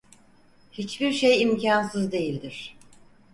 Hiçbir şey imkansız değildir.